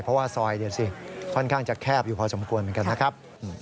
เพราะว่าซอยค่อนข้างจะแคบอยู่พอสมควรเหมือนกันนะครับ